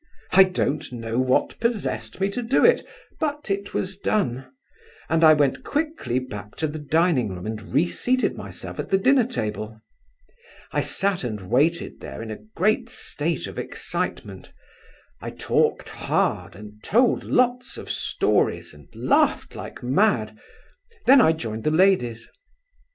I don't know what possessed me to do it, but it was done, and I went quickly back to the dining room and reseated myself at the dinner table. I sat and waited there in a great state of excitement. I talked hard, and told lots of stories, and laughed like mad; then I joined the ladies.